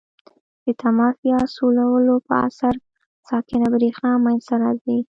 د تماس یا سولولو په اثر ساکنه برېښنا منځ ته راځي.